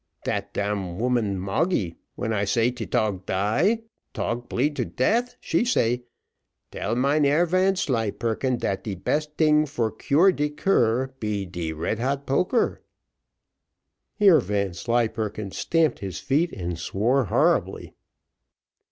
"Dat d n woman Moggy, when I say te tog die tog bleed to death, she say, tell Mynheer Vanslyperken dat de best ting for cure de cur be de red hot poker." Here Vanslyperken stamped his feet and swore horribly.